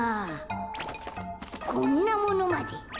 こんなものまで。